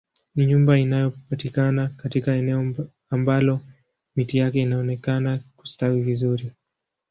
Ni nyumba inayopatikana katika eneo ambalo miti yake inaonekana kustawi vizuri